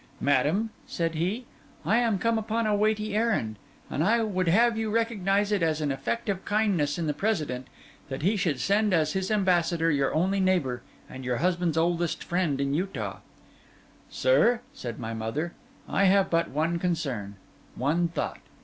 'Madam,' said he, 'I am come upon a weighty errand; and I would have you recognise it as an effect of kindness in the President, that he should send as his ambassador your only neighbour and your husband's oldest friend in Utah.' 'Sir,' said my mother, 'I have but one concern, one thought.